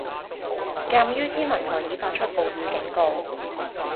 鑑於天文台已發出暴雨警告